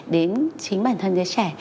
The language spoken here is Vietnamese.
đến chính bản thân giới trẻ